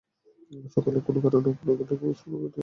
সকালে কোনো কারণে আগুন লেগে বিস্ফোরণ ঘটেছে বলে ধারণা করা হচ্ছে।